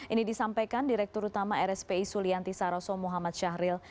ini disampaikan direktur utama rspi sulianti saroso muhammad syahril